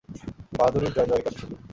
বাহাদুরীর জয় জয়কার ছিল।